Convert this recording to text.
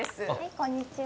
こんにちは。